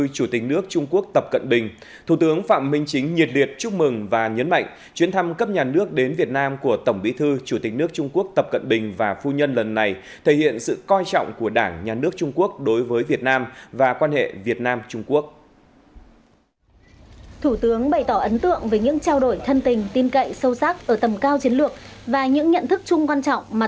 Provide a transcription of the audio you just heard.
chủ tịch nước võ văn thường mong muốn hai bên tăng cường giao lưu trao đổi kinh nghiệm xây dựng và phát triển của quan hệ hai đảng hai nước trong thời kỳ mới